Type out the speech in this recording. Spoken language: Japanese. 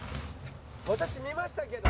「私見ましたけど」